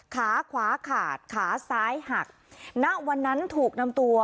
ขาขวาขาดขาซ้ายหักณวันนั้นถูกนำตัว